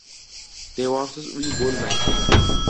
• Devorsiz uy bo‘lmaydi.